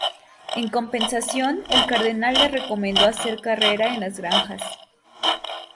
En compensación, el Cardenal le recomendó hacer carrera en las granjas.